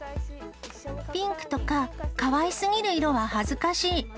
ピンクとかかわいすぎる色は恥ずかしい。